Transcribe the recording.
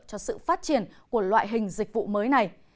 cho sự phát triển của loại hình dịch vụ mới này